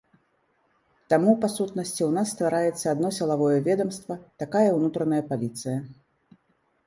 Таму па сутнасці ў нас ствараецца адно сілавое ведамства, такая ўнутраная паліцыя.